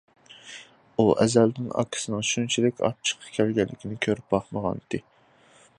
ئۇ ئەزەلدىن ئاكىسىنىڭ بۇنچىلىك ئاچچىقى كەلگىنىنى كۆرۈپ باقمىغانىدى.